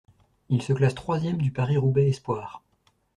Il se classe troisième du Paris-Roubaix espoirs.